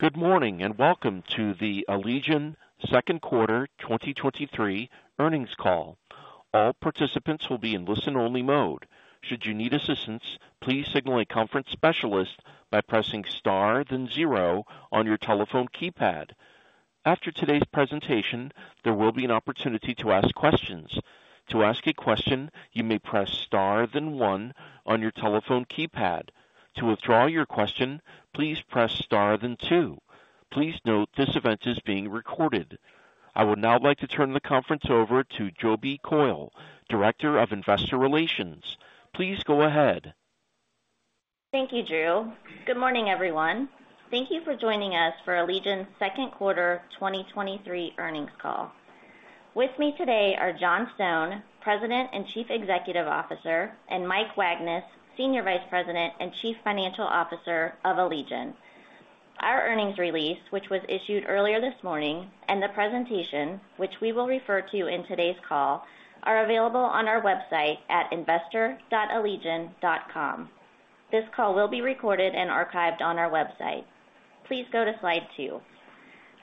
Good morning, welcome to the Allegion Q2 2023 earnings call. All participants will be in listen-only mode. Should you need assistance, please signal a conference specialist by pressing star, then zero on your telephone keypad. After today's presentation, there will be an opportunity to ask questions. To ask a question, you may press star, then one on your telephone keypad. To withdraw your question, please press star, then two. Please note, this event is being recorded. I would now like to turn the conference over to Jobi Coyle, Director of Investor Relations. Please go ahead. Thank you, Drew. Good morning, everyone. Thank you for joining us for Allegion's Q2 quarter 2023 earnings call. With me today are John Stone, President and Chief Executive Officer, and Mike Wagnes, Senior Vice President and Chief Financial Officer of Allegion. Our earnings release, which was issued earlier this morning, and the presentation, which we will refer to in today's call, are available on our website at investor.allegion.com. This call will be recorded and archived on our website. Please go to Slide 2.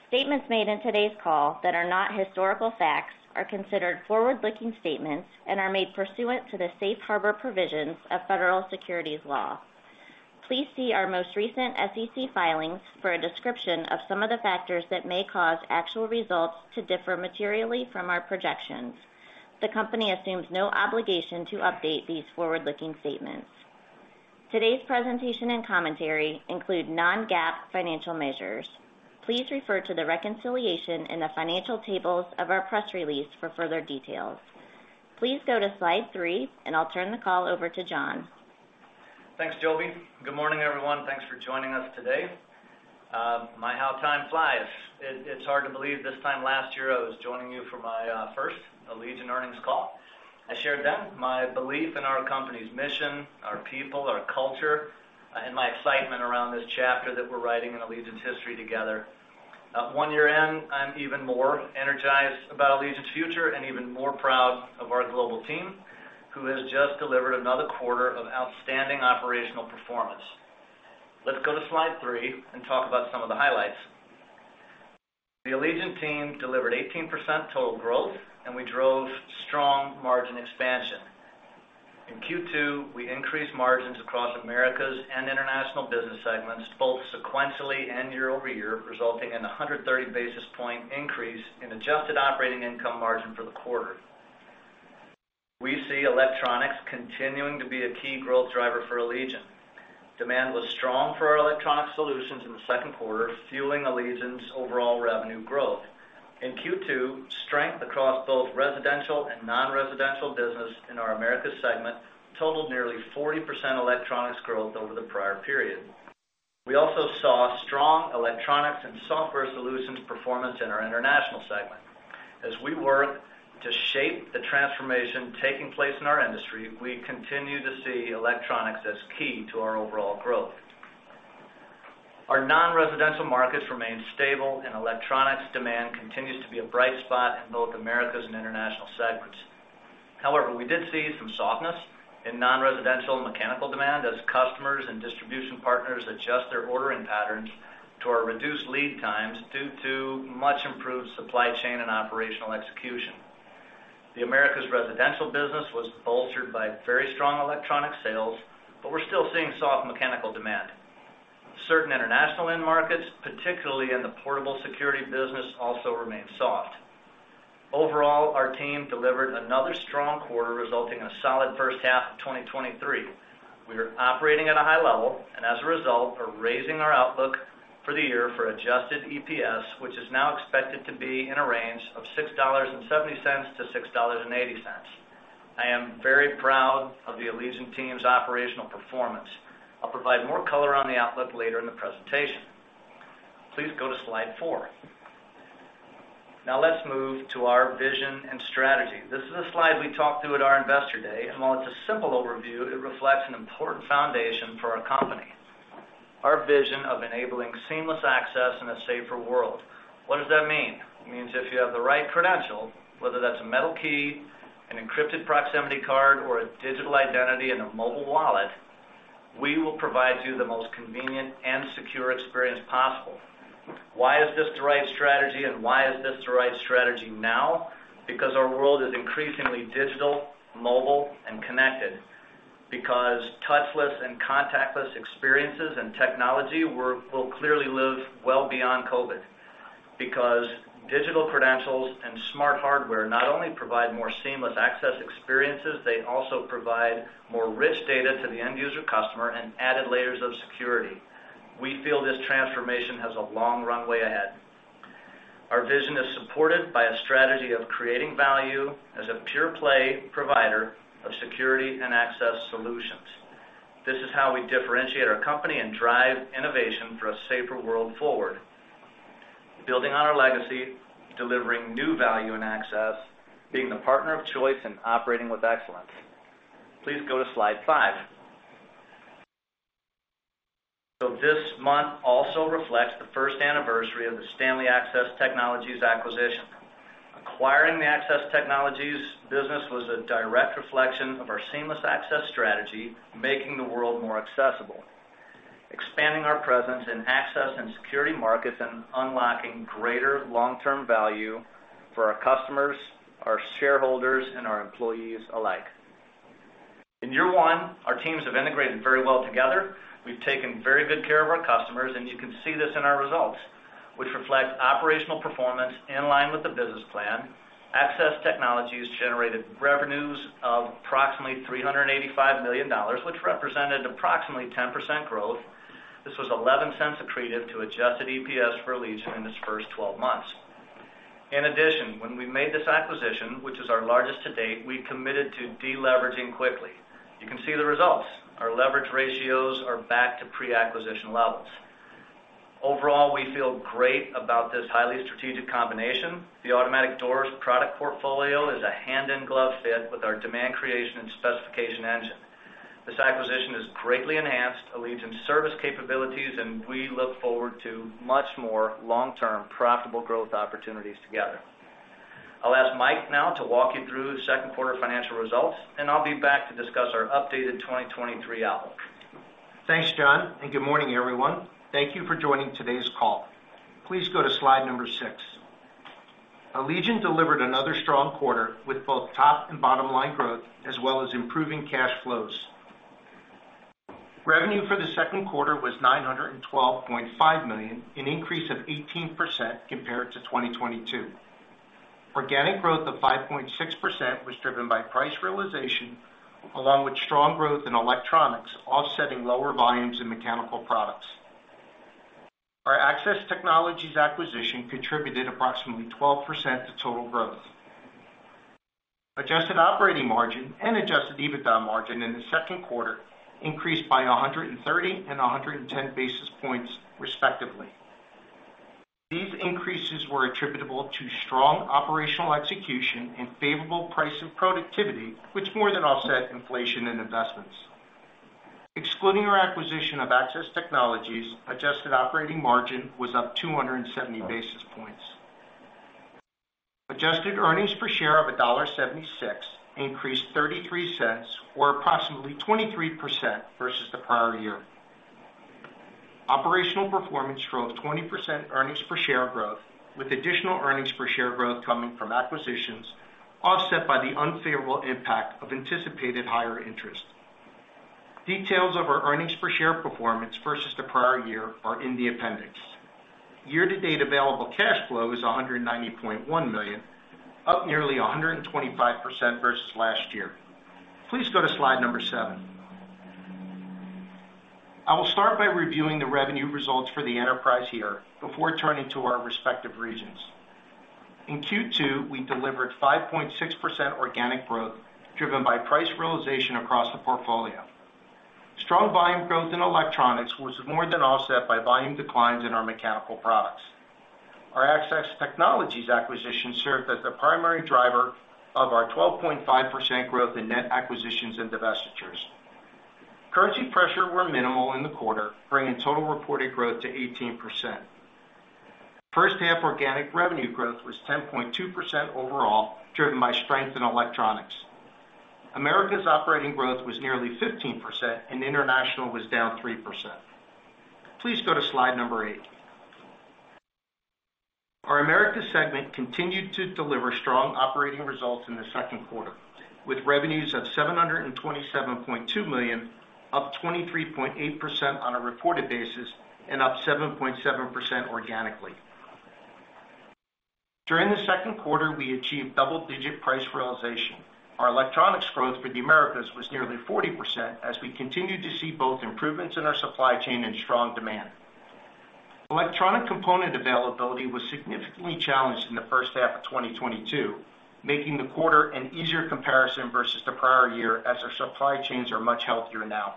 Statements made in today's call that are not historical facts are considered forward-looking statements and are made pursuant to the safe harbor provisions of federal securities law. Please see our most recent SEC filings for a description of some of the factors that may cause actual results to differ materially from our projections. The company assumes no obligation to update these forward-looking statements. Today's presentation and commentary include non-GAAP financial measures. Please refer to the reconciliation in the financial tables of our press release for further details. Please go to Slide 3, I'll turn the call over to John. Thanks, Jobi. Good morning, everyone. Thanks for joining us today. My, how time flies! It's hard to believe this time last year, I was joining you for my first Allegion earnings call. I shared then my belief in our company's mission, our people, our culture, and my excitement around this chapter that we're writing in Allegion's history together. One year in, I'm even more energized about Allegion's future and even more proud of our global team, who has just delivered another quarter of outstanding operational performance. Let's go to Slide 3 and talk about some of the highlights. The Allegion team delivered 18% total growth, and we drove strong margin expansion. In Q2, we increased margins across Americas and International business segments, both sequentially and year-over-year, resulting in a 130 basis point increase in adjusted operating income margin for the quarter. We see electronics continuing to be a key growth driver for Allegion. Demand was strong for our electronic solutions in the second quarter, fueling Allegion's overall revenue growth. In Q2, strength across both residential and non-residential business in our Americas segment totaled nearly 40% electronics growth over the prior period. We also saw strong electronics and software solutions performance in our International segment. As we work to shape the transformation taking place in our industry, we continue to see electronics as key to our overall growth. Our non-residential markets remain stable, and electronics demand continues to be a bright spot in both Americas and International segments. However, we did see some softness in non-residential mechanical demand as customers and distribution partners adjust their ordering patterns to our reduced lead times due to much improved supply chain and operational execution. The Americas residential business was bolstered by very strong electronic sales, but we're still seeing soft mechanical demand. Certain international end markets, particularly in the portable security business, also remain soft. Overall, our team delivered another strong quarter, resulting in a solid first half of 2023. We are operating at a high level, and as a result, are raising our outlook for the year for adjusted EPS, which is now expected to be in a range of $6.70 to $6.80. I am very proud of the Allegion team's operational performance. I'll provide more color on the outlook later in the presentation. Please go to Slide 4. Let's move to our vision and strategy. This is a slide we talked through at our Investor Day, and while it's a simple overview, it reflects an important foundation for our company. Our vision of enabling seamless access in a safer world. What does that mean? It means if you have the right credential, whether that's a metal key, an encrypted proximity card, or a digital identity in a mobile wallet, we will provide you the most convenient and secure experience possible. Why is this the right strategy, and why is this the right strategy now? Because our world is increasingly digital, mobile, and connected. Because touchless and contactless experiences and technology will clearly live well beyond COVID. Because digital credentials and smart hardware not only provide more seamless access experiences, they also provide more rich data to the end user customer and added layers of security. We feel this transformation has a long runway ahead. Our vision is supported by a strategy of creating value as a pure-play provider of security and access solutions. This is how we differentiate our company and drive innovation for a safer world forward. Building on our legacy, delivering new value and access, being the partner of choice, and operating with excellence. Please go to Slide 5. This month also reflects the first anniversary of the Stanley Access Technologies acquisition. Acquiring the Access Technologies business was a direct reflection of our seamless access strategy, making the world more accessible, expanding our presence in access and security markets, and unlocking greater long-term value for our customers, our shareholders, and our employees alike. In year one, our teams have integrated very well together. We've taken very good care of our customers, and you can see this in our results, which reflect operational performance in line with the business plan. Access Technologies generated revenues of approximately $385 million, which represented approximately 10% growth. This was $0.11 accretive to adjusted EPS for Allegion in its first 12 months. In addition, when we made this acquisition, which is our largest to date, we committed to deleveraging quickly. You can see the results. Our leverage ratios are back to pre-acquisition levels. Overall, we feel great about this highly strategic combination. The automatic doors product portfolio is a hand-in-glove fit with our demand creation and specification engine. This acquisition has greatly enhanced Allegion's service capabilities, and we look forward to much more long-term, profitable growth opportunities together. I'll ask Mike now to walk you through the Q2 financial results, and I'll be back to discuss our updated 2023 outlook. Thanks, John. Good morning, everyone. Thank you for joining today's call. Please go to Slide 6. Allegion delivered another strong quarter with both top and bottom-line growth, as well as improving cash flows. Revenue for the second quarter was $912.5 million, an increase of 18% compared to 2022. Organic growth of 5.6% was driven by price realization, along with strong growth in electronics, offsetting lower volumes in mechanical products. Our Access Technologies acquisition contributed approximately 12% to total growth. Adjusted operating margin and adjusted EBITDA margin in the second quarter increased by 130 and 110 basis points, respectively. These increases were attributable to strong operational execution and favorable price and productivity, which more than offset inflation and investments. Excluding our acquisition of Access Technologies, adjusted operating margin was up 270 basis points. Adjusted earnings per share of $1.76 increased $0.33, or approximately 23% versus the prior year. Operational performance drove 20% earnings per share growth, with additional earnings per share growth coming from acquisitions, offset by the unfavorable impact of anticipated higher interest. Details of our earnings per share performance versus the prior year are in the appendix. Year-to-date available cash flow is $190.1 million, up nearly 125% versus last year. Please go to slide number seven. I will start by reviewing the revenue results for the enterprise year before turning to our respective regions. In Q2, we delivered 5.6% organic growth, driven by price realization across the portfolio. Strong volume growth in electronics was more than offset by volume declines in our mechanical products. Our Access Technologies acquisition served as the primary driver of our 12.5% growth in net acquisitions and divestitures. Currency pressure were minimal in the quarter, bringing total reported growth to 18%. First half organic revenue growth was 10.2% overall, driven by strength in electronics. Americas operating growth was nearly 15%, and international was down 3%. Please go to Slide 8. Our Americas segment continued to deliver strong operating results in the second quarter, with revenues of $727.2 million, up 23.8% on a reported basis and up 7.7% organically. During the second quarter, we achieved double-digit price realization. Our electronics growth for the Americas was nearly 40%, as we continued to see both improvements in our supply chain and strong demand. Electronic component availability was significantly challenged in the first half of 2022, making the quarter an easier comparison versus the prior year as our supply chains are much healthier now.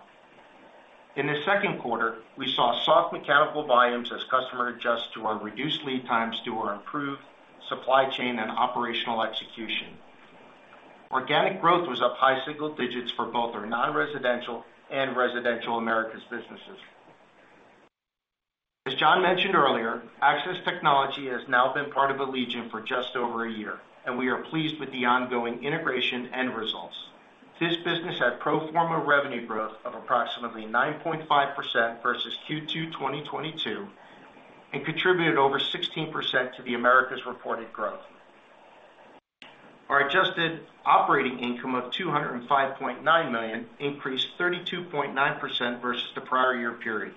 In the second quarter, we saw soft mechanical volumes as customer adjust to our reduced lead times to our improved supply chain and operational execution. Organic growth was up high single digits for both our non-residential and residential Americas businesses. As John mentioned earlier, Access Technology has now been part of Allegion for just over a year, and we are pleased with the ongoing integration and results. This business had pro forma revenue growth of approximately 9.5% versus Q2 2022, and contributed over 16% to the Americas reported growth. Our adjusted operating income of $205.9 million increased 32.9% versus the prior year period,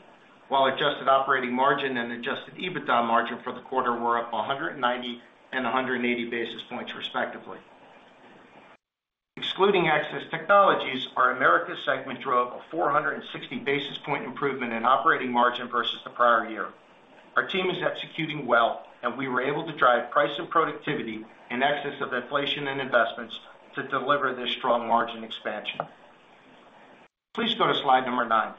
while adjusted operating margin and adjusted EBITDA margin for the quarter were up 190 and 180 basis points, respectively. Excluding Access Technologies, our Americas segment drove a 460 basis point improvement in operating margin versus the prior year. Our team is executing well, we were able to drive price and productivity in excess of inflation and investments to deliver this strong margin expansion. Please go to Slide 9.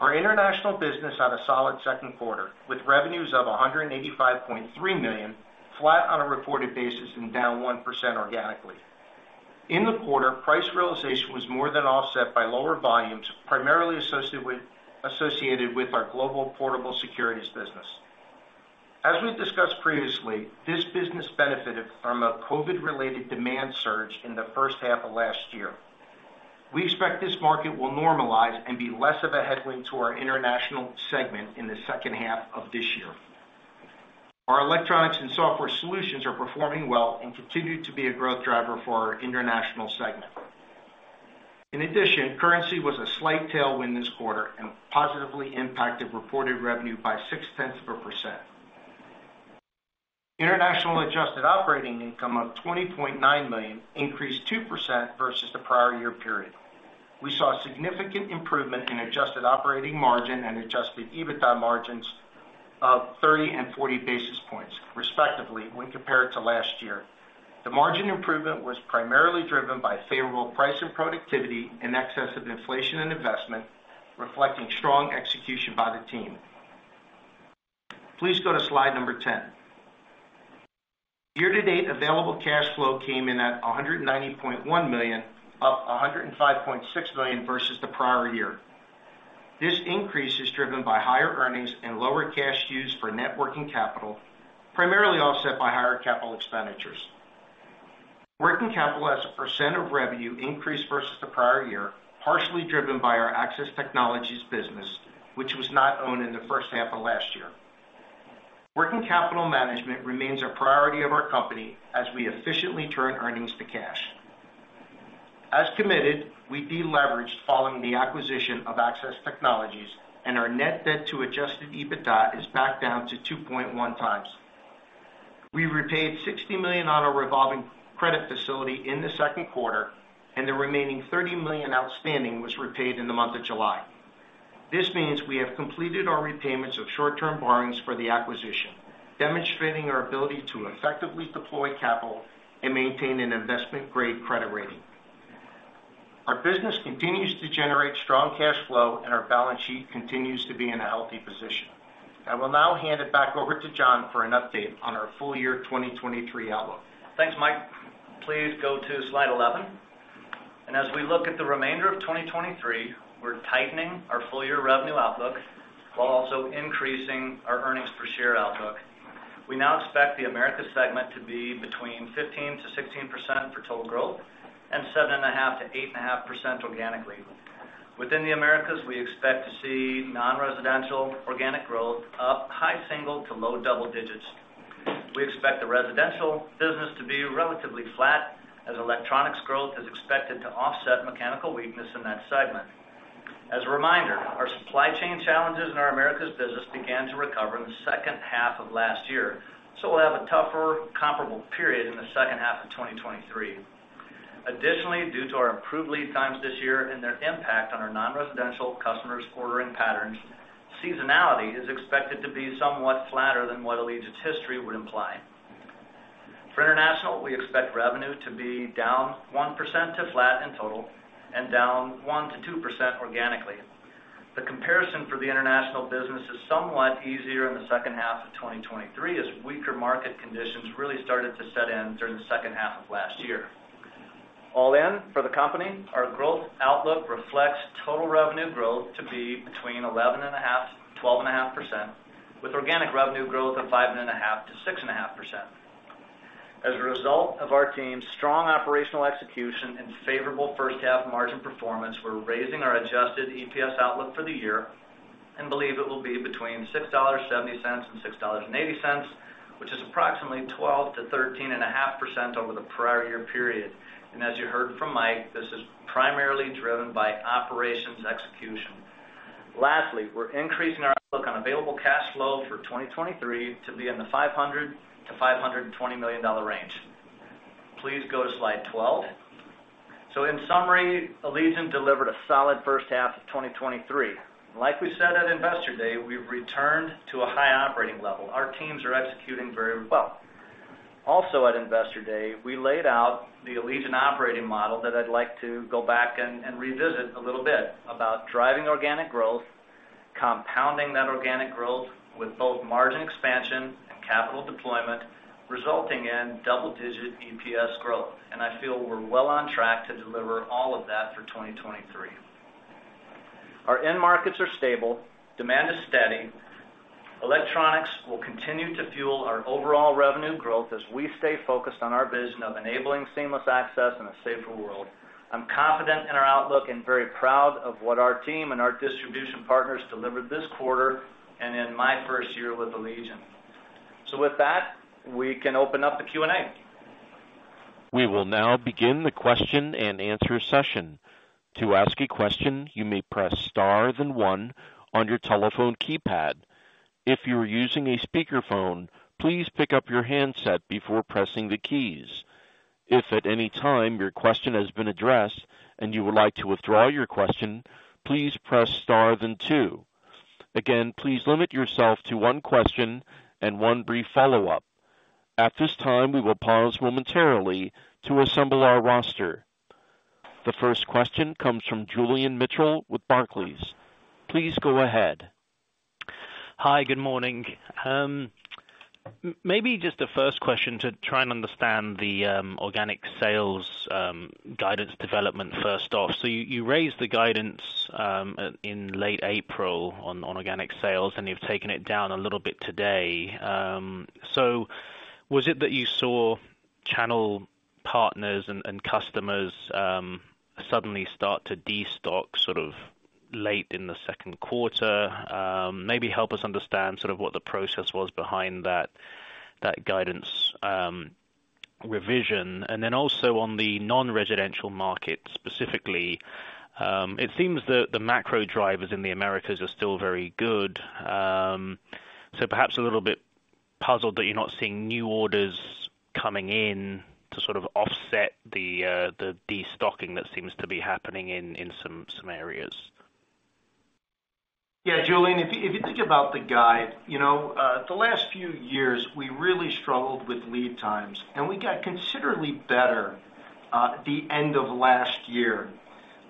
Our international business had a solid Q2, with revenues of $185.3 million, flat on a reported basis and down 1% organically. In the quarter, price realization was more than offset by lower volumes, primarily associated with our global portable securities business. As we've discussed previously, this business benefited from a COVID-related demand surge in the first half of last year. We expect this market will normalize and be less of a headwind to our international segment in the second half of this year. Our electronics and software solutions are performing well and continue to be a growth driver for our international segment. Currency was a slight tailwind this quarter and positively impacted reported revenue by 0.6%. International adjusted operating income of $20.9 million increased 2% versus the prior year period. We saw significant improvement in adjusted operating margin and adjusted EBITDA margins of 30 and 40 basis points, respectively, when compared to last year. The margin improvement was primarily driven by favorable price and productivity in excess of inflation and investment, reflecting strong execution by the team. Please go to Slide 10. Year-to-date available cash flow came in at $190.1 million, up $105.6 million versus the prior year. This increase is driven by higher earnings and lower cash used for net working capital, primarily offset by higher capital expenditures. Working capital as a percent of revenue increased versus the prior year, partially driven by our Access Technologies business, which was not owned in the first half of last year. Working capital management remains a priority of our company as we efficiently turn earnings to cash. As committed, we deleveraged following the acquisition of Access Technologies, our net debt to adjusted EBITDA is back down to 2.1 times. We repaid $60 million on our revolving credit facility in Q2, the remaining $30 million outstanding was repaid in the month of July. This means we have completed our repayments of short-term borrowings for the acquisition, demonstrating our ability to effectively deploy capital and maintain an investment-grade credit rating. Our business continues to generate strong cash flow, and our balance sheet continues to be in a healthy position. I will now hand it back over to John for an update on our full year 2023 outlook. Thanks, Mike. Please go to Slide 11. As we look at the remainder of 2023, we're tightening our full-year revenue outlook while also increasing our earnings per share outlook. We now expect the Americas segment to be between 15% to 16% for total growth and 7.5% to 8.5% organically. Within the Americas, we expect to see non-residential organic growth up high single to low double digits. We expect the residential business to be relatively flat as electronics growth is expected to offset mechanical weakness in that segment. As a reminder, our supply chain challenges in our Americas business began to recover in the second half of last year, we'll have a tougher comparable period in the second half of 2023. Additionally, due to our improved lead times this year and their impact on our non-residential customers' ordering patterns, seasonality is expected to be somewhat flatter than what Allegion's history would imply. For international, we expect revenue to be down 1% to flat in total and down 1% to 2% organically. The comparison for the international business is somewhat easier in the second half of 2023, as weaker market conditions really started to set in during the second half of last year. All in, for the company, our growth outlook reflects total revenue growth to be between 11.5% to 12.5%, with organic revenue growth of 5.5% to 6.5%. As a result of our team's strong operational execution and favorable first half margin performance, we're raising our adjusted EPS outlook for the year and believe it will be between $6.70 and $6.80, which is approximately 12% to 13.5% over the prior year period. As you heard from Mike, this is primarily driven by operations execution. Lastly, we're increasing our outlook on available cash flow for 2023 to be in the $500 million to $520 million range. Please go to Slide 12. In summary, Allegion delivered a solid first half of 2023. Like we said at Investor Day, we've returned to a high operating level. Our teams are executing very well. At Investor Day, we laid out the Allegion operating model that I'd like to go back and revisit a little bit, about driving organic growth, compounding that organic growth with both margin expansion and capital deployment, resulting in double-digit EPS growth. I feel we're well on track to deliver all of that for 2023. Our end markets are stable. Demand is steady. Electronics will continue to fuel our overall revenue growth as we stay focused on our vision of enabling seamless access in a safer world. I'm confident in our outlook and very proud of what our team and our distribution partners delivered this quarter and in my first year with Allegion. With that, we can open up the Q&A. We will now begin the question-and-answer session. To ask a question, you may press star, then one on your telephone keypad. If you are using a speakerphone, please pick up your handset before pressing the keys. If at any time your question has been addressed and you would like to withdraw your question, please press star, then two. Again, please limit yourself to one question and one brief follow-up. At this time, we will pause momentarily to assemble our roster. The first question comes from Julian Mitchell with Barclays. Please go ahead. Hi, good morning. Maybe just a first question to try and understand the organic sales guidance development, first off. You, you raised the guidance in late April on organic sales, and you've taken it down a little bit today. Was it that you saw channel partners and customers suddenly start to destock sort of late in the second quarter? Maybe help us understand sort of what the process was behind that guidance revision. Then also on the non-residential market, specifically, it seems the macro drivers in the Americas are still very good. Perhaps a little bit puzzled that you're not seeing new orders coming in to sort of offset the destocking that seems to be happening in some areas. Julian, if you think about the guide, you know, the last few years, we really struggled with lead times, and we got considerably better the end of last year.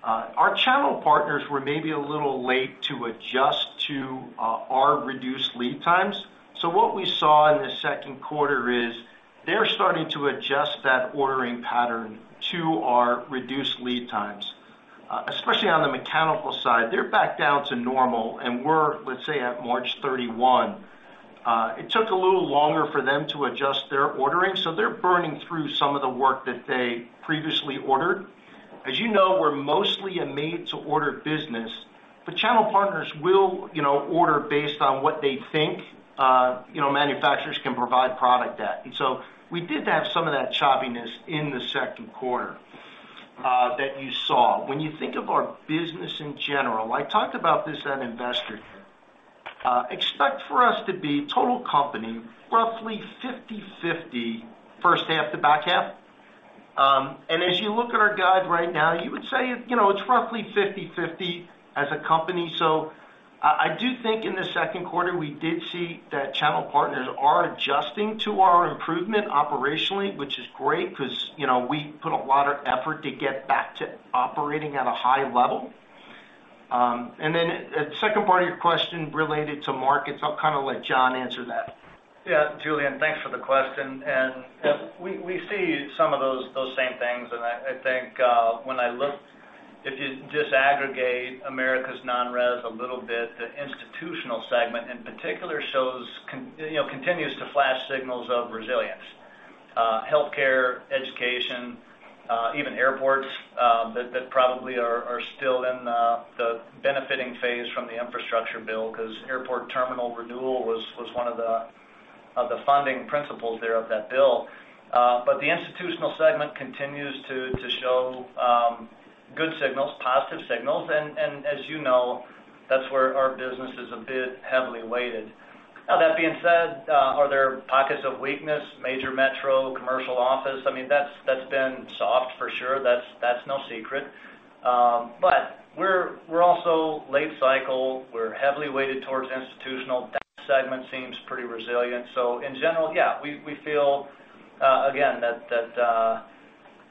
Our channel partners were maybe a little late to adjust to our reduced lead times. What we saw in the second quarter is they're starting to adjust that ordering pattern to our reduced lead times, especially on the mechanical side. They're back down to normal, and we're, let's say, at March 31. It took a little longer for them to adjust their ordering, so they're burning through some of the work that they previously ordered. As you know, we're mostly a made-to-order business, but channel partners will, you know, order based on what they think, you know, manufacturers can provide product at. We did have some of that choppiness in the second quarter that you saw. When you think of our business in general, I talked about this at Investor Day. Expect for us to be total company, roughly 50/50, first half to back half. As you look at our guide right now, you would say, you know, it's roughly 50/50 as a company. I do think in the second quarter, we did see that channel partners are adjusting to our improvement operationally, which is great, 'cause, you know, we put a lot of effort to get back to operating at a high level. The second part of your question related to markets, I'll kind of let John answer that. Yeah, Julian, thanks for the question. We see some of those same things, I think, If you disaggregate America's non-res a little bit, the institutional segment, in particular, shows you know, continues to flash signals of resilience. Healthcare, education, even airports, that probably are still in the benefiting phase from the infrastructure bill, 'cause airport terminal renewal was one of the funding principles there of that bill. The institutional segment continues to show good signals, positive signals, and as you know, that's where our business is a bit heavily weighted. Now, that being said, are there pockets of weakness, major metro, commercial office? I mean, that's been soft for sure. That's no secret. We're also late cycle. We're heavily weighted towards institutional. That segment seems pretty resilient. In general, yeah, we feel, again, that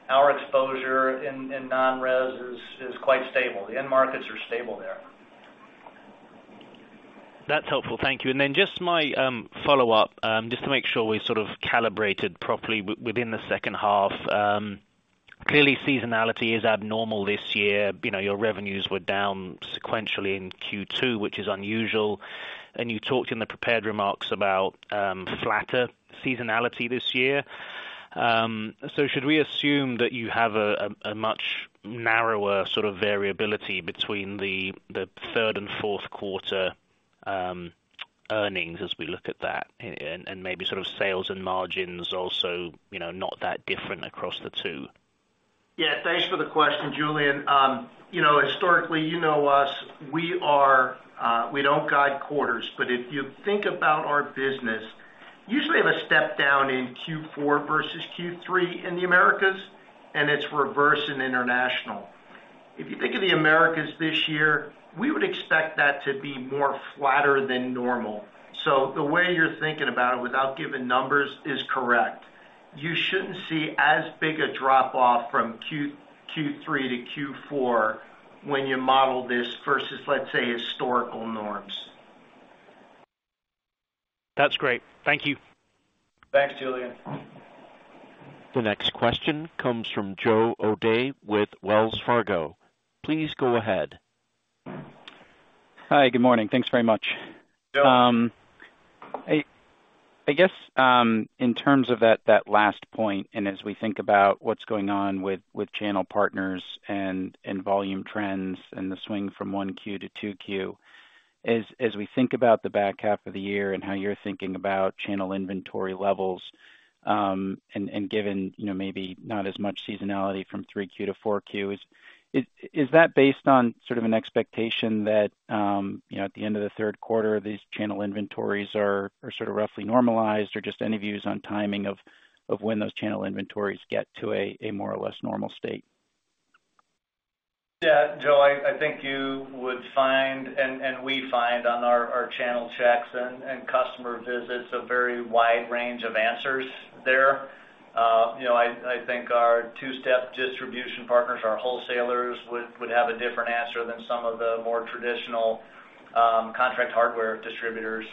our exposure in non-res is quite stable. The end markets are stable there. That's helpful. Thank you. Then just my follow-up, just to make sure we're sort of calibrated properly within the second half. Clearly, seasonality is abnormal this year. You know, your revenues were down sequentially in Q2, which is unusual, you talked in the prepared remarks about flatter seasonality this year. Should we assume that you have a much narrower sort of variability between the third and fourth quarter earnings as we look at that, and maybe sort of sales and margins also, you know, not that different across the two? Yeah, thanks for the question, Julian. You know, historically, you know us, we are, we don't guide quarters, but if you think about our business, usually have a step down in Q4 versus Q3 in the Americas, and it's reverse in international. If you think of the Americas this year, we would expect that to be more flatter than normal. The way you're thinking about it, without giving numbers, is correct. You shouldn't see as big a drop-off from Q3 to Q4 when you model this versus, let's say, historical norms. That's great. Thank you. Thanks, Julian. The next question comes from Joseph O'Dea with Wells Fargo. Please go ahead. Hi, good morning. Thanks very much. Joe. I guess, in terms of that last point, and as we think about what's going on with channel partners and volume trends and the swing from Q1 to Q2, as we think about the back half of the year and how you're thinking about channel inventory levels, and given, you know, maybe not as much seasonality from Q3 to Q4, is that based on sort of an expectation that, you know, at the end of the third quarter, these channel inventories are sort of roughly normalized, or just any views on timing when those channel inventories get to a more or less normal state? Yeah, Joe, I think you would find, and we find on our channel checks and customer visits, a very wide range of answers there. I think our two-step distribution partners, our wholesalers, would have a different answer than some of the more traditional contract hardware distributors.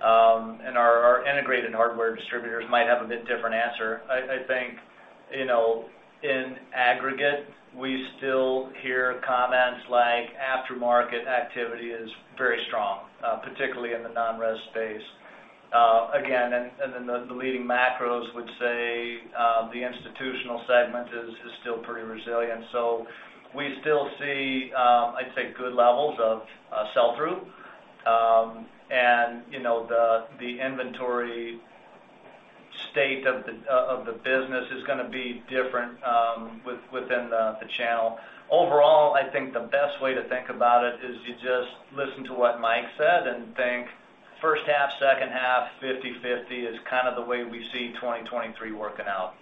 Our integrated hardware distributors might have a bit different answer. I think, you know, in aggregate, we still hear comments like aftermarket activity is very strong, particularly in the non-res space. Again, the leading macros would say, the institutional segment is still pretty resilient. We still see, I'd say, good levels of sell-through. You know, the inventory state of the business is gonna be different within the channel. Overall, I think the best way to think about it is you just listen to what Mike said and think first half, second half, 50/50 is kind of the way we see 2023 working out.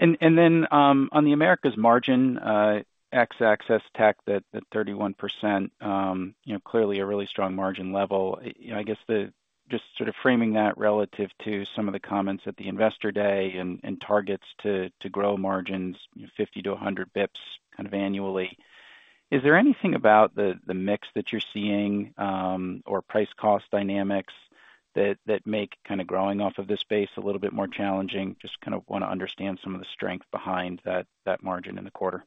On the Americas margin, x access tech, that 31%, you know, clearly a really strong margin level. You know, I guess just sort of framing that relative to some of the comments at the Investor Day and targets to grow margins, you know, 50 to 100 basis points kind of annually. Is there anything about the mix that you're seeing or price cost dynamics that make kind of growing off of this base a little bit more challenging? Just kind of wanna understand some of the strength behind that margin in the quarter.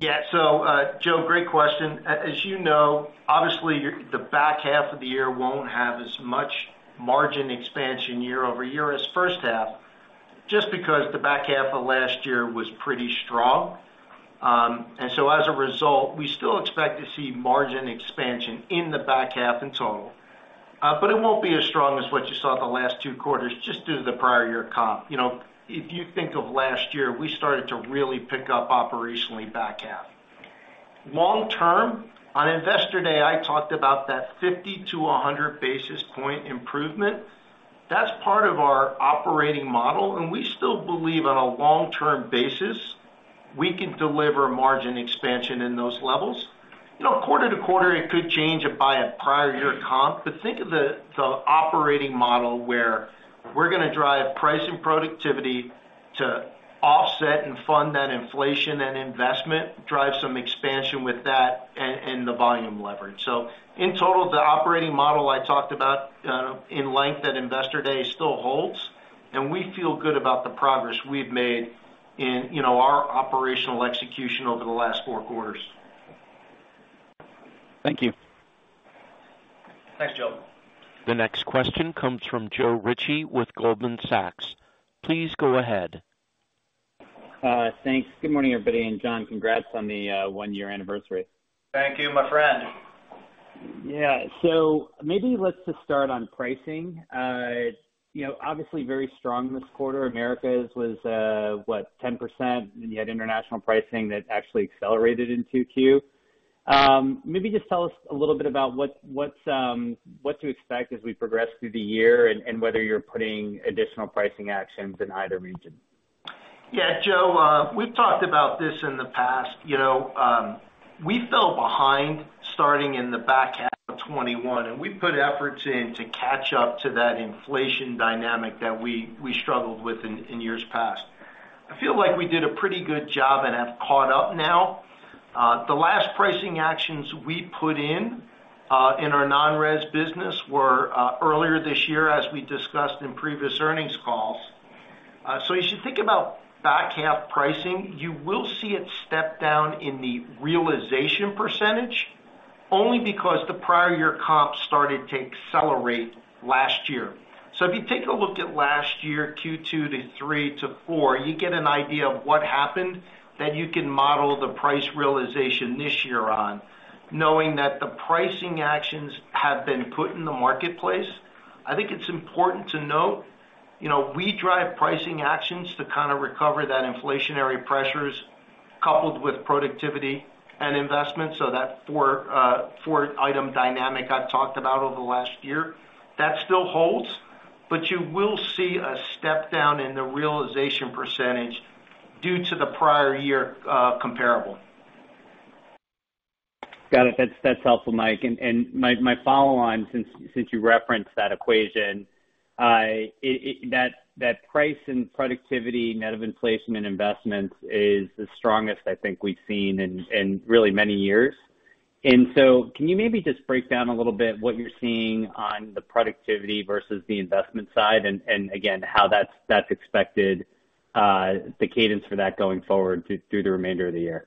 Joe, great question. As you know, obviously, the back half of the year won't have as much margin expansion year-over-year as first half, just because the back half of last year was pretty strong. As a result, we still expect to see margin expansion in the back half in total, but it won't be as strong as what you saw the last two quarters, just due to the prior year comp. You know, if you think of last year, we started to really pick up operationally back half. Long term, on Investor Day, I talked about that 50 to 100 basis point improvement. That's part of our operating model, and we still believe on a long-term basis, we can deliver margin expansion in those levels. You know, quarter to quarter, it could change it by a prior year comp, but think of the operating model, where we're gonna drive price and productivity to offset and fund that inflation and investment, drive some expansion with that and the volume leverage. In total, the operating model I talked about in length at Investor Day still holds, and we feel good about the progress we've made in, you know, our operational execution over the last four quarters. Thank you. Thanks, Joe. The next question comes from Joe Ritchie with Goldman Sachs. Please go ahead. Thanks. Good morning, everybody, and John, congrats on the one-year anniversary. Thank you, my friend. Yeah. Maybe let's just start on pricing. You know, obviously very strong this quarter. Americas was, what? 10%, and you had international pricing that actually accelerated in Q2. Maybe just tell us a little bit about what's, what to expect as we progress through the year and whether you're putting additional pricing actions in either region? Yeah, Joe, we've talked about this in the past. You know, we fell behind starting in the back half of 2021, we put efforts in to catch up to that inflation dynamic that we struggled with in years past. I feel like we did a pretty good job and have caught up now. The last pricing actions we put in in our non-res business were earlier this year, as we discussed in previous earnings calls. You should think about back half pricing. You will see it step down in the realization percentage, only because the prior year comps started to accelerate last year. If you take a look at last year, Q2 to Q3 to Q4, you get an idea of what happened that you can model the price realization this year on, knowing that the pricing actions have been put in the marketplace. I think it's important to note, you know, we drive pricing actions to kind of recover that inflationary pressures, coupled with productivity and investment, so that four-item dynamic I've talked about over the last year, that still holds. You will see a step down in the realization percentage due to the prior year comparable. Got it. That's helpful, Mike. My follow-on, since you referenced that equation, it. That price and productivity, net of inflation and investments, is the strongest I think we've seen in really many years. Can you maybe just break down a little bit what you're seeing on the productivity versus the investment side? Again, how that's expected, the cadence for that going forward through the remainder of the year.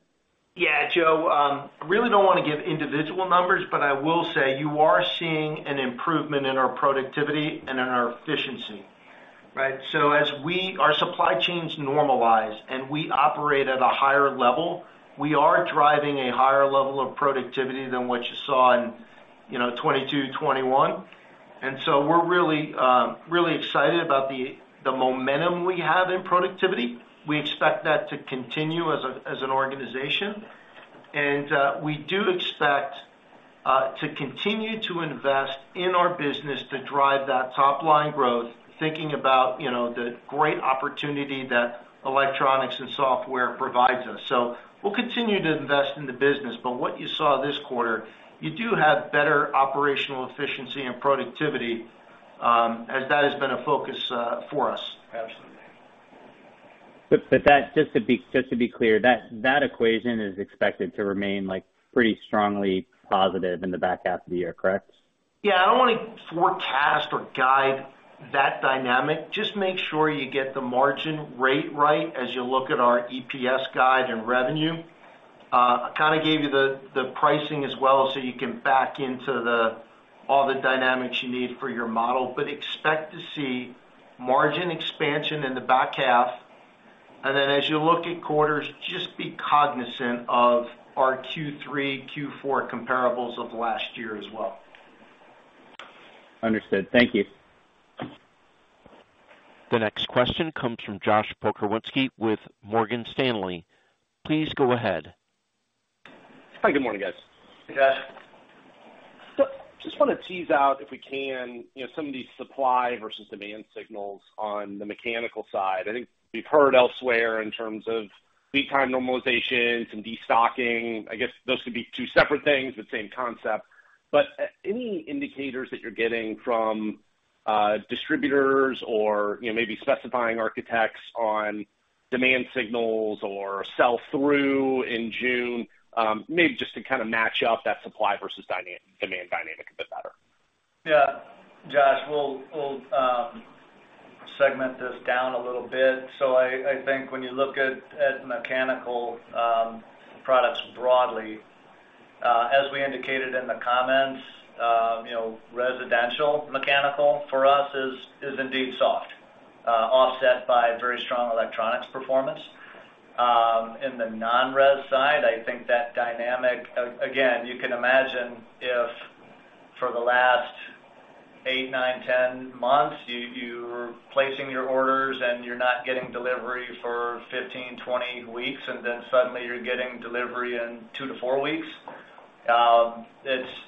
Yeah, Joe, I really don't wanna give individual numbers, but I will say you are seeing an improvement in our productivity and in our efficiency, right? As our supply chains normalize and we operate at a higher level, we are driving a higher level of productivity than what you saw in, you know, 2022, 2021. We're really excited about the momentum we have in productivity. We expect that to continue as an organization, and we do expect to continue to invest in our business to drive that top-line growth, thinking about, you know, the great opportunity that electronics and software provides us. We'll continue to invest in the business. What you saw this quarter, you do have better operational efficiency and productivity as that has been a focus for us. Absolutely. That, just to be clear, that equation is expected to remain, like, pretty strongly positive in the back half of the year, correct? Yeah, I don't want to forecast or guide that dynamic. Just make sure you get the margin rate right as you look at our EPS guide and revenue. I kind of gave you the pricing as well, so you can back into the, all the dynamics you need for your model. Expect to see margin expansion in the back half. As you look at quarters, just be cognizant of our Q3, Q4 comparables of last year as well. Understood. Thank you. The next question comes from Josh Pokrywka with Morgan Stanley. Please go ahead. Hi, good morning, guys. Hey, Josh. Just want to tease out, if we can, you know, some of these supply versus demand signals on the mechanical side. I think we've heard elsewhere in terms of lead time normalization, some destocking. I guess those could be two separate things, but same concept. Any indicators that you're getting from distributors or, you know, maybe specifying architects on demand signals or sell-through in June, maybe just to kind of match up that supply versus demand dynamic a bit better? Yeah. Josh, we'll segment this down a little bit. I think when you look at mechanical products broadly, as we indicated in the comments, you know, residential mechanical for us is indeed soft, offset by very strong electronics performance. In the non-res side, I think that dynamic again, you can imagine if for the last eight, nine, 10 months, you were placing your orders and you're not getting delivery for 15, 20 weeks, and then suddenly you're getting delivery in two to four weeks,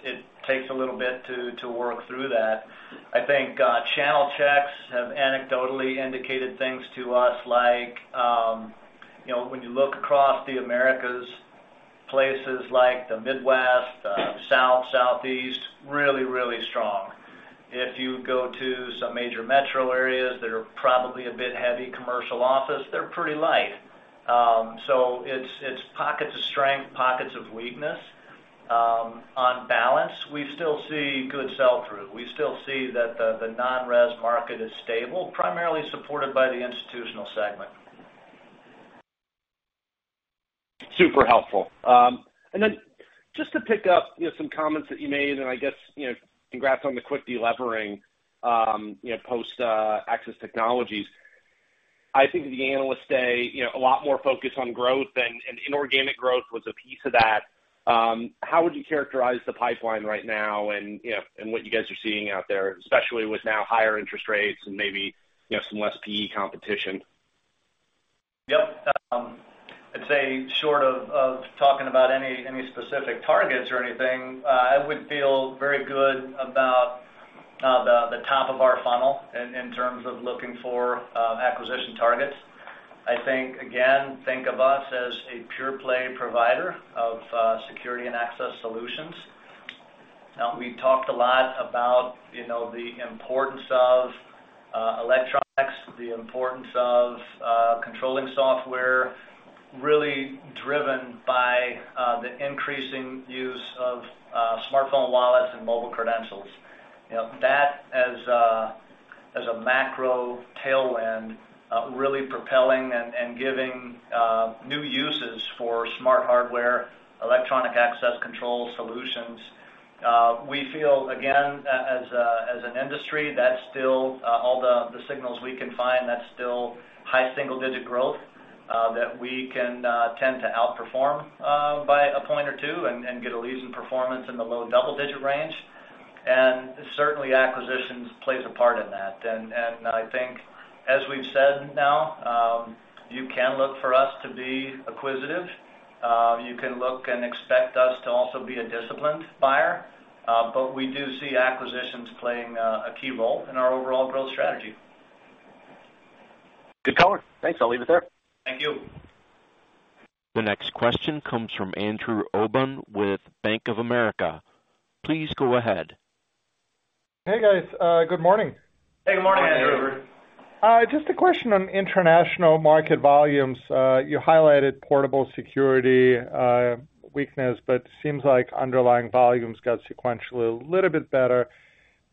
it takes a little bit to work through that. I think channel checks have anecdotally indicated things to us like, you know, when you look across the Americas, places like the Midwest, South, Southeast, really strong. If you go to some major metro areas that are probably a bit heavy commercial office, they're pretty light. It's, it's pockets of strength, pockets of weakness. On balance, we still see good sell-through. We still see that the non-res market is stable, primarily supported by the institutional segment. Super helpful. Just to pick up, you know, some comments that you made, I guess, you know, congrats on the quick delevering, you know, post access technologies. I think the analysts say, you know, a lot more focused on growth and inorganic growth was a piece of that. How would you characterize the pipeline right now and, you know, and what you guys are seeing out there, especially with now higher interest rates and maybe, you know, some less P/E competition? Yep. I'd say short of talking about any specific targets or anything, I would feel very good about the top of our funnel in terms of looking for acquisition targets. I think, again, think of us as a pure play provider of security and access solutions. We talked a lot about, you know, the importance of electronics, the importance of controlling software, really driven by the increasing use of smartphone wallets and mobile credentials. You know, that as a macro tailwind, really propelling and giving new uses for smart hardware, electronic access control solutions. We feel, again, as an industry, that's still, all the signals we can find, that's still high single-digit growth, that we can tend to outperform by a point or two and get a leading performance in the low double-digit range. Certainly, acquisitions plays a part in that. I think as we've said now, you can look for us to be acquisitive. You can look and expect us to also be a disciplined buyer, but we do see acquisitions playing a key role in our overall growth strategy. Good color. Thanks. I'll leave it there. Thank you. The next question comes from Andrew Obin with Bank of America. Please go ahead. Hey, guys, good morning. Hey, good morning, Andrew. Good morning. Just a question on international market volumes. You highlighted portable security weakness, but seems like underlying volumes got sequentially a little bit better.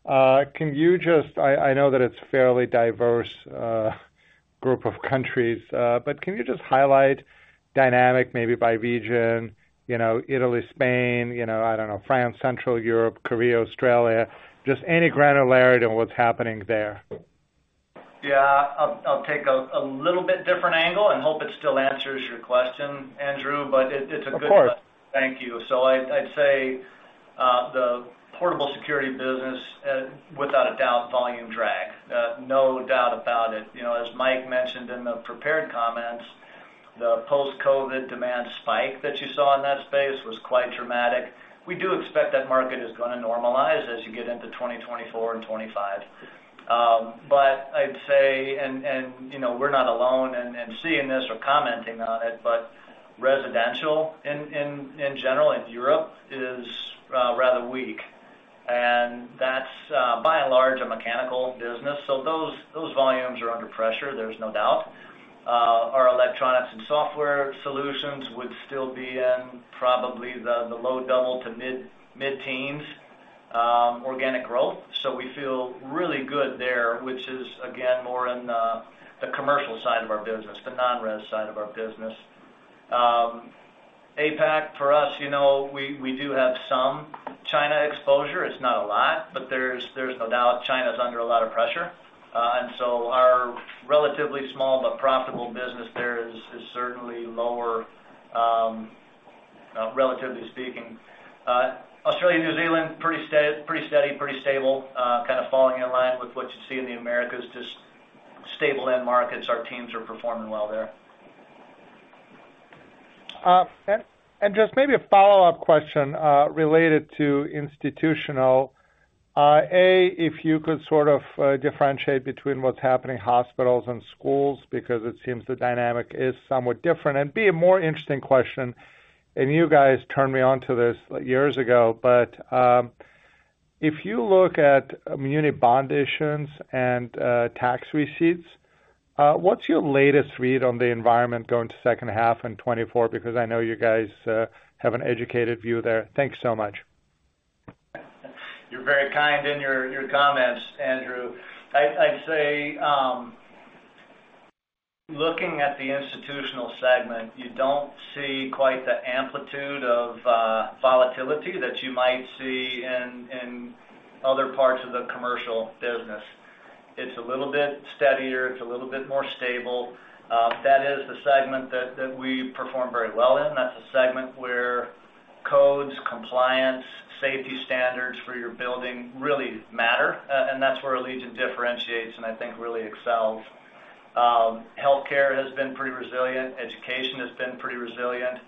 I know that it's a fairly diverse group of countries, but can you just highlight dynamic, maybe by region, you know, Italy, Spain, you know, I don't know, France, Central Europe, Korea, Australia, just any granularity on what's happening there? Yeah, I'll take a little bit different angle and hope it still answers your question, Andrew. Of course. Thank you. I'd say the portable security business, without a doubt, volume drag. No doubt about it. You know, as Mike mentioned in the prepared comments, the post-COVID demand spike that you saw in that space was quite dramatic. We do expect that market is gonna normalize as you get into 2024 and 2025. I'd say, and, you know, we're not alone in seeing this or commenting on it, but residential in general, in Europe is rather weak. Large and mechanical business. Those volumes are under pressure, there's no doubt. Our electronics and software solutions would still be in probably the low double to mid-teens organic growth. We feel really good there, which is, again, more in the commercial side of our business, the non-res side of our business. APAC, for us, you know, we do have some China exposure. It's not a lot, but there's no doubt China's under a lot of pressure. Our relatively small but profitable business there is certainly lower, relatively speaking. Australia, New Zealand, pretty steady, pretty stable, kind of falling in line with what you see in the Americas, just stable end markets. Our teams are performing well there. Just maybe a follow-up question, related to institutional. A, if you could sort of, differentiate between what's happening in hospitals and schools, because it seems the dynamic is somewhat different. B, a more interesting question, and you guys turned me on to this years ago, but, if you look at muni bond issuance and, tax receipts, what's your latest read on the environment going to second half in 2024? Because I know you guys, have an educated view there. Thanks so much. You're very kind in your comments, Andrew. I'd say, looking at the institutional segment, you don't see quite the amplitude of volatility that you might see in other parts of the commercial business. It's a little bit steadier, it's a little bit more stable. That is the segment that we perform very well in. That's a segment where codes, compliance, safety standards for your building really matter, and that's where Allegion differentiates and I think really excels. Healthcare has been pretty resilient, education has been pretty resilient,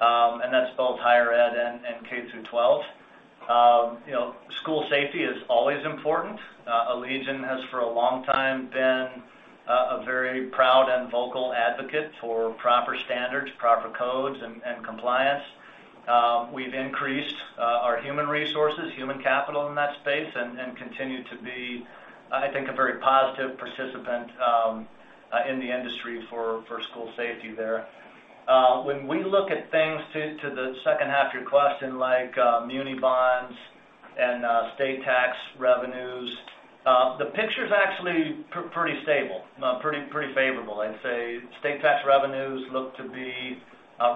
and that's both higher ed and K-12. You know, school safety is always important. Allegion has, for a long time, been a very proud and vocal advocate for proper standards, proper codes, and compliance. We've increased our human resources, human capital in that space, and continue to be, I think, a very positive participant in the industry for school safety there. When we look at things to the second half of your question, like muni bonds and state tax revenues, the picture's actually pretty stable, pretty favorable. I'd say state tax revenues look to be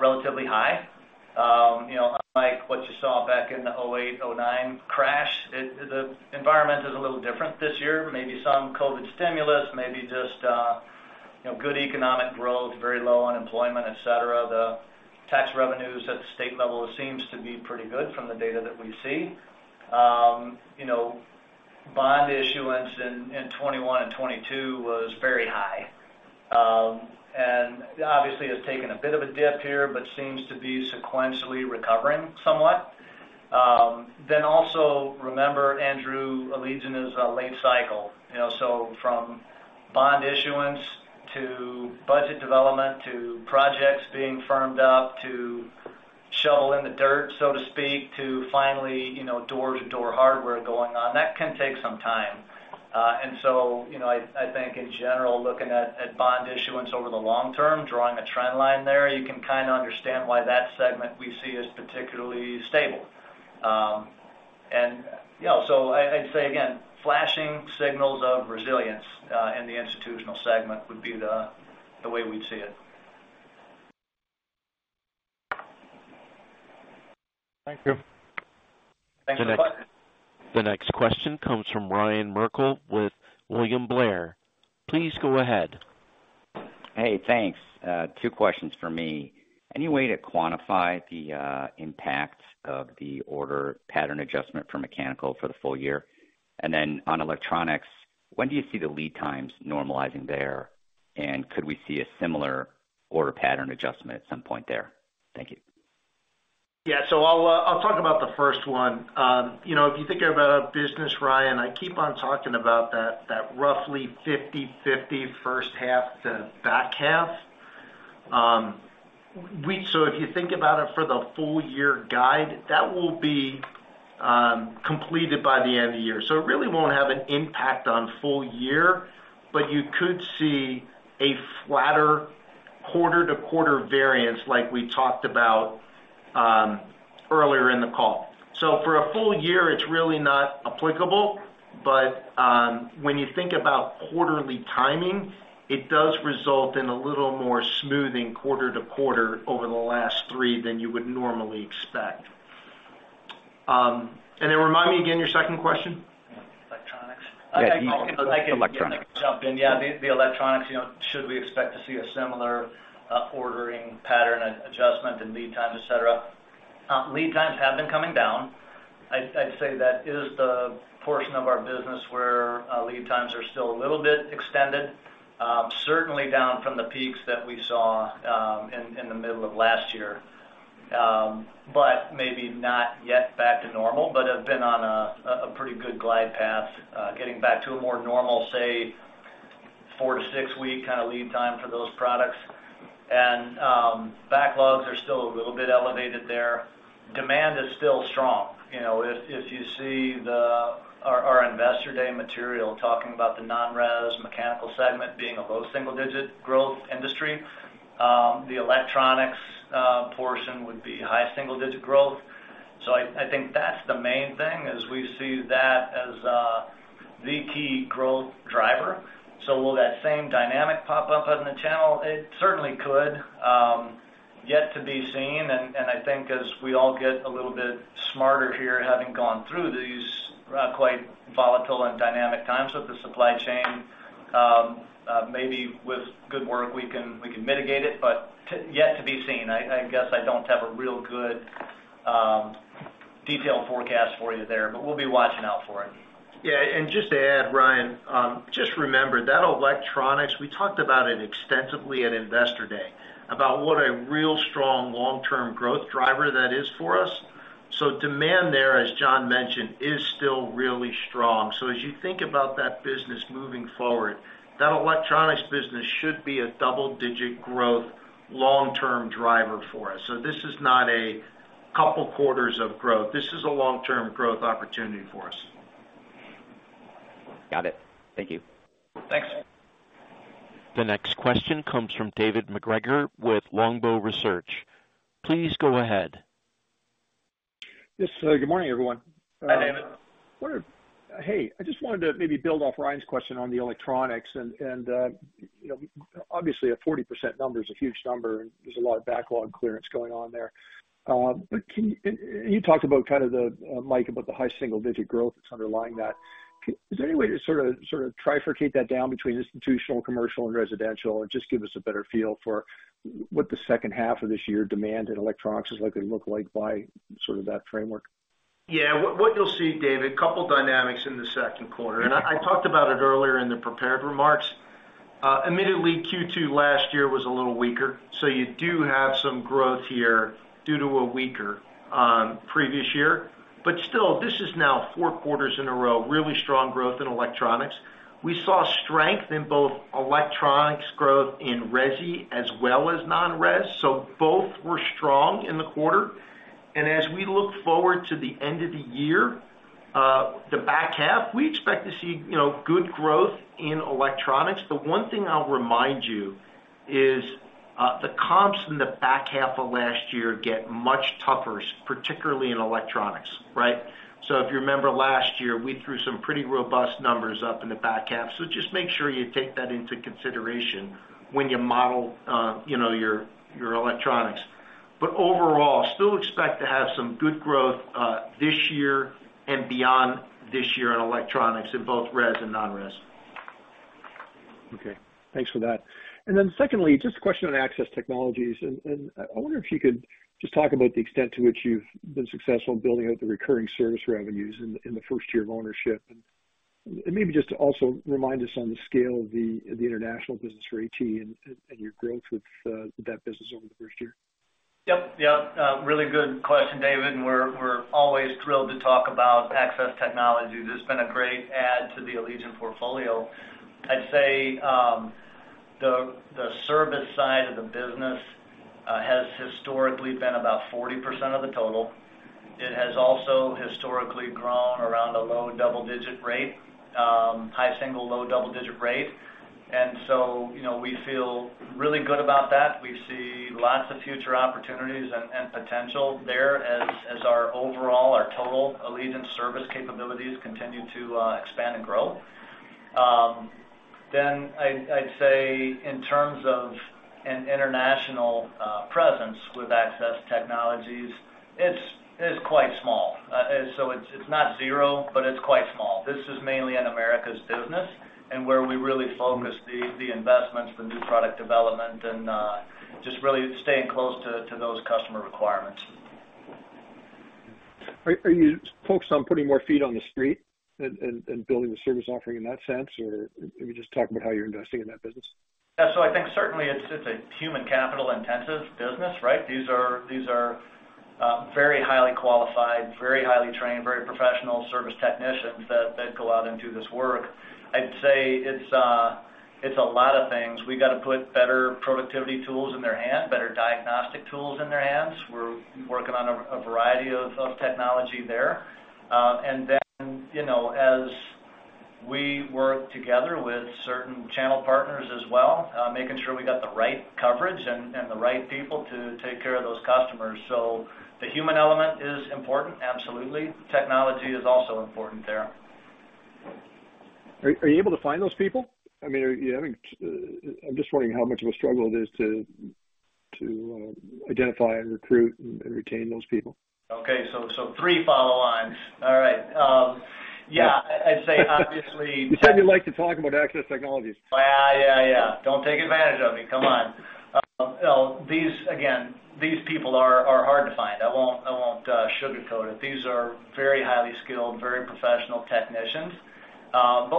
relatively high. You know, unlike what you saw back in the 2008, 2009 crash, the environment is a little different this year. Maybe some COVID stimulus, maybe just, you know, good economic growth, very low unemployment, et cetera. The tax revenues at the state level seems to be pretty good from the data that we see. You know, bond issuance in 2021 and 2022 was very high. Obviously, it's taken a bit of a dip here, but seems to be sequentially recovering somewhat. Also, remember, Andrew, Allegion is a late cycle. You know, from bond issuance to budget development, to projects being firmed up, to shovel in the dirt, so to speak, to finally, you know, door-to-door hardware going on, that can take some time. You know, I think in general, looking at bond issuance over the long term, drawing a trend line there, you can kind of understand why that segment we see is particularly stable. You know, I'd say again, flashing signals of resilience, in the institutional segment would be the way we'd see it. Thank you. Thanks so much. The next question comes from Ryan Merkel with William Blair. Please go ahead. Hey, thanks. Two questions for me. Any way to quantify the impact of the order pattern adjustment for mechanical for the full year? On electronics, when do you see the lead times normalizing there? Could we see a similar order pattern adjustment at some point there? Thank you. I'll talk about the first one. You know, if you think about our business, Ryan, I keep on talking about that roughly 50/50 first half to back half. If you think about it for the full year guide, that will be completed by the end of the year. It really won't have an impact on full year, but you could see a flatter quarter-to-quarter variance like we talked about earlier in the call. For a full year, it's really not applicable, but when you think about quarterly timing, it does result in a little more smoothing quarter to quarter over the last three than you would normally expect. Remind me again, your second question? Electronics. Yeah, electronics. Yeah, I can jump in. Yeah, the electronics, you know, should we expect to see a similar ordering pattern adjustment and lead times, et cetera? Lead times have been coming down. I'd say that is the portion of our business where lead times are still a little bit extended. Certainly down from the peaks that we saw in the middle of last year, but maybe not yet back to normal, but have been on a pretty good glide path getting back to a more normal, say four to six-week kind of lead time for those products. Backlogs are still a little bit elevated there. Demand is still strong. You know, if you see our Investor Day material, talking about the non-res mechanical segment being a low single-digit growth industry, the electronics portion would be high single-digit growth. I think that's the main thing, is we see that as the key growth driver. Will that same dynamic pop up in the channel? It certainly could, yet to be seen. I think as we all get a little bit smarter here, having gone through these quite volatile and dynamic times with the supply chain, maybe with good work, we can mitigate it, but yet to be seen. I guess I don't have a real good detailed forecast for you there, but we'll be watching out for it. Just to add, Ryan, just remember that electronics, we talked about it extensively at Investor Day, about what a real strong long-term growth driver that is for us. Demand there, as John mentioned, is still really strong. As you think about that business moving forward, that electronics business should be a double-digit growth long-term driver for us. This is not a couple quarters of growth. This is a long-term growth opportunity for us. Got it. Thank you. Thanks. The next question comes from David MacGregor with Longbow Research. Please go ahead. Yes, good morning, everyone. Hi, David. Hey, I just wanted to maybe build off Ryan's question on the electronics. You know, obviously, a 40% number is a huge number, and there's a lot of backlog clearance going on there. But can you... you talked about kind of the, Mike, about the high single-digit growth that's underlying that. Is there any way to sort of trifurcate that down between institutional, commercial, and residential, and just give us a better feel for what the second half of this year demand in electronics is likely to look like by sort of that framework? What you'll see, David, a couple dynamics in the second quarter, and I talked about it earlier in the prepared remarks. Admittedly, Q2 last year was a little weaker, so you do have some growth here due to a weaker previous year. Still, this is now four quarters in a row, really strong growth in electronics. We saw strength in both electronics growth in resi as well as non-res, so both were strong in the quarter. As we look forward to the end of the year, the back half, we expect to see, you know, good growth in electronics. The one thing I'll remind you is, the comps in the back half of last year get much tougher, particularly in electronics, right? If you remember last year, we threw some pretty robust numbers up in the back half. Just make sure you take that into consideration when you model, you know, your electronics. Overall, still expect to have some good growth, this year and beyond this year in electronics, in both res and non-res. Okay, thanks for that. Secondly, just a question on Access Technologies. I wonder if you could just talk about the extent to which you've been successful in building out the recurring service revenues in the first year of ownership. Maybe just to also remind us on the scale of the international business for AT, and your growth with that business over the first year? Yep, yeah, really good question, David, we're always thrilled to talk about Access Technologies. It's been a great add to the Allegion portfolio. I'd say, the service side of the business has historically been about 40% of the total. It has also historically grown around a low double-digit rate, high single, low double-digit rate. You know, we feel really good about that. We see lots of future opportunities and potential there as our overall, our total Allegion service capabilities continue to expand and grow. I'd say, in terms of an international presence with Access Technologies, it's quite small. It's not zero, but it's quite small. This is mainly an Americas business, and where we really focus the investments, the new product development, and just really staying close to those customer requirements. Are you focused on putting more feet on the street and building the service offering in that sense? Maybe just talk about how you're investing in that business. I think certainly it's a human capital-intensive business, right? These are very highly qualified, very highly trained, very professional service technicians that go out and do this work. I'd say it's a lot of things. We've got to put better productivity tools in their hands, better diagnostic tools in their hands. We're working on a variety of technology there. You know, as we work together with certain channel partners as well, making sure we got the right coverage and the right people to take care of those customers. The human element is important, absolutely. Technology is also important there. Are you able to find those people? I mean, I'm just wondering how much of a struggle it is to identify and recruit and retain those people. Okay, three follow-ons. All right. Yeah, I'd say. You said you'd like to talk about Access Technologies. Yeah, yeah. Don't take advantage of me. Come on. Well, again, these people are hard to find. I won't sugarcoat it. These are very highly skilled, very professional technicians.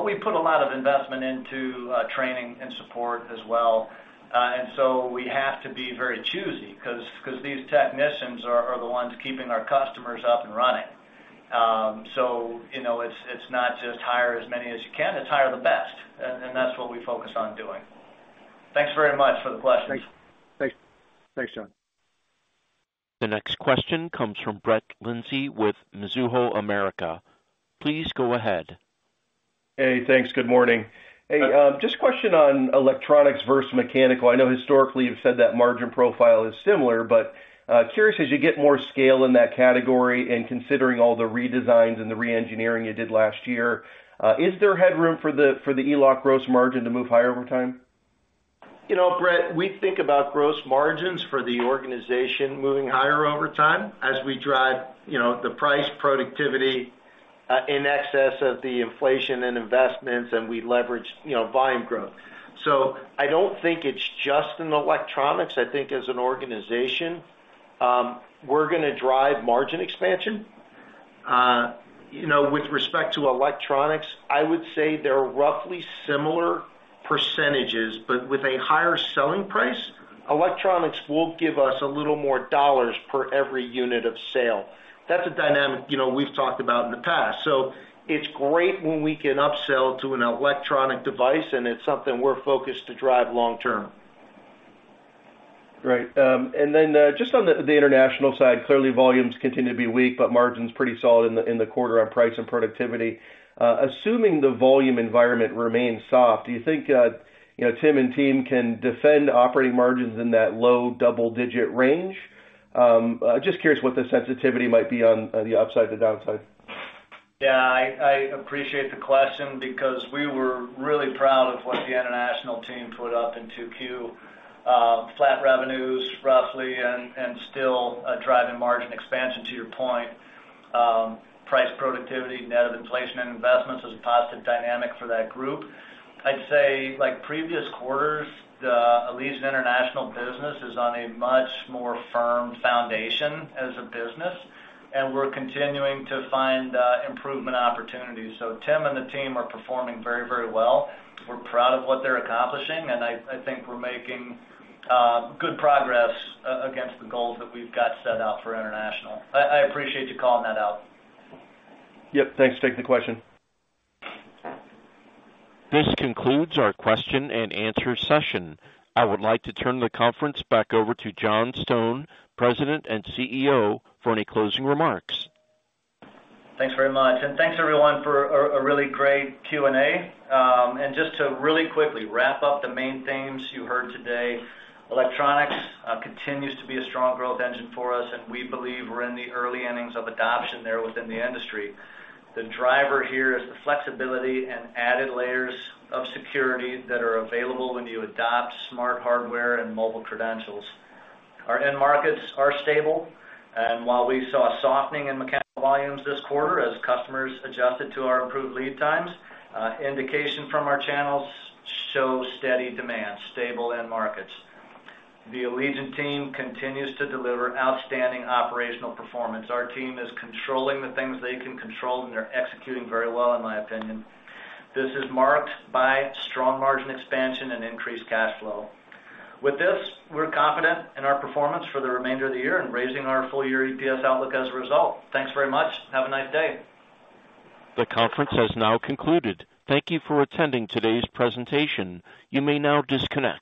We put a lot of investment into training and support as well. We have to be very choosy because these technicians are the ones keeping our customers up and running. You know, it's not just hire as many as you can, it's hire the best, and that's what we focus on doing. Thanks very much for the question. Thanks. Thanks. Thanks, John. The next question comes from Brett Lindsey with Mizuho Americas. Please go ahead. Hey, thanks. Good morning. Hey, just a question on electronics versus mechanical. I know historically you've said that margin profile is similar, but, curious as you get more scale in that category and considering all the redesigns and the reengineering you did last year, is there headroom for the, for the eLock gross margin to move higher over time? You know, Brett, we think about gross margins for the organization moving higher over time as we drive, you know, the price, productivity, in excess of the inflation and investments, and we leverage, you know, volume growth. I don't think it's just in the electronics. I think as an organization, we're gonna drive margin expansion. You know, with respect to electronics, I would say they're roughly similar percentages, but with a higher selling price, electronics will give us a little more dollars per every unit of sale. That's a dynamic, you know, we've talked about in the past. It's great when we can upsell to an electronic device, and it's something we're focused to drive long term. Great. Just on the international side, clearly volumes continue to be weak, but margins pretty solid in the quarter on price and productivity. Assuming the volume environment remains soft, do you think, you know, Tim and team can defend operating margins in that low double-digit range? Just curious what the sensitivity might be on the upside to downside. Yeah, I appreciate the question because we were really proud of what the international team put up in Q2. Flat revenues, roughly, and still driving margin expansion, to your point. Price productivity, net of inflation and investments, is a positive dynamic for that group. I'd say, like previous quarters, the Allegion international business is on a much more firm foundation as a business, and we're continuing to find improvement opportunities. Tim and the team are performing very well. We're proud of what they're accomplishing, and I think we're making good progress against the goals that we've got set out for international. I appreciate you calling that out. Yep. Thanks for taking the question. This concludes our question and answer session. I would like to turn the conference back over to John Stone, President and CEO, for any closing remarks. Thanks very much, thanks, everyone, for a really great Q&A. Just to really quickly wrap up the main themes you heard today. Electronics continues to be a strong growth engine for us, we believe we're in the early innings of adoption there within the industry. The driver here is the flexibility and added layers of security that are available when you adopt smart hardware and mobile credentials. Our end markets are stable, while we saw a softening in mechanical volumes this quarter, as customers adjusted to our improved lead times, indication from our channels show steady demand, stable end markets. The Allegion team continues to deliver outstanding operational performance. Our team is controlling the things they can control, they're executing very well, in my opinion. This is marked by strong margin expansion and increased cash flow. With this, we're confident in our performance for the remainder of the year and raising our full-year EPS outlook as a result. Thanks very much. Have a nice day. The conference has now concluded. Thank you for attending today's presentation. You may now disconnect.